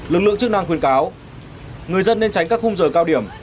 lực lượng chức năng khuyên cáo người dân nên tránh các khung giờ cao điểm